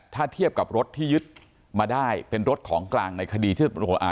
ถ้าเทียบกับรถที่ยึดมาได้เป็นรถของกลางในคดีที่อ่า